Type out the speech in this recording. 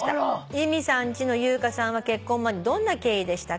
「由美さんちの優香さんは結婚までどんな経緯でしたか？」